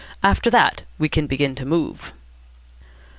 After that we can begin to move."